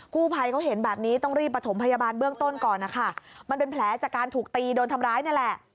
กู้ภัยเขาเห็นแบบนี้ต้องรีบประถมพยาบาลเบื้องต้นก่อนนะคะมันเป็นแผลจากการถูกตีโดนทำร้ายนี่แหละ